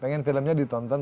pengen filmnya ditonton